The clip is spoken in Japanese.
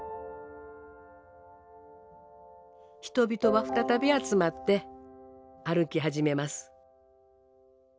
人々は再び集まって歩き始めます。